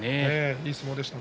いい相撲でした。